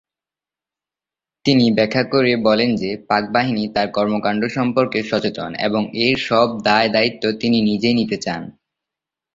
তিনি ব্যাখ্যা করে বলেন যে, পাক বাহিনী তার কর্মকাণ্ড সম্পর্কে সচেতন এবং এর সব দায়-দায়িত্ব তিনি নিজেই নিতে চান।